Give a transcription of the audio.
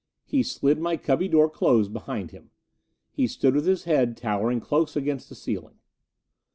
He slid my cubby door closed behind him. He stood with his head towering close against my ceiling.